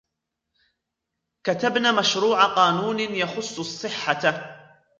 كتبن مشروع قانون يخص الصحة